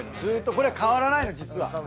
これ変わらないの実は。